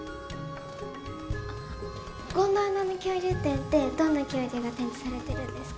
「ゴンドワナの恐竜展」ってどんな恐竜が展示されてるんですか？